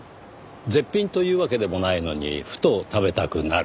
絶品というわけでもないのにふと食べたくなる。